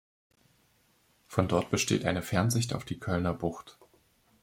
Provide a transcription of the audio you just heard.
Von dort besteht eine Fernsicht auf die Kölner Bucht.